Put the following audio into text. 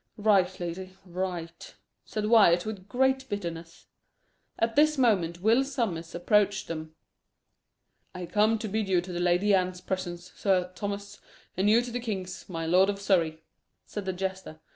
"Right, lady, right," said Wyat, with great bitterness. At this moment Will Sommers approached them. "I come to bid you to the Lady Anne's presence, Sir Thomas, and you to the king's, my lord of Surrey," said the jester.